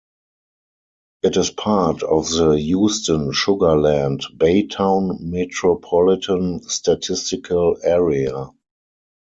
It is part of the Houston-Sugar Land-Baytown Metropolitan Statistical Area.